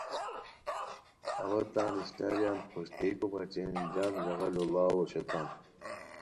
اوا تان اشناریان کھوشتئیکو بچین جم ژاغہ لوڑاؤ اوشوتام